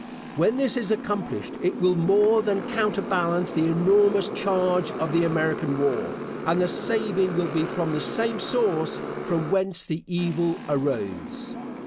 When this is accomplished it will more than counter balance the enormous charge of the American war; and the saving will be from the same source from whence the evil arose.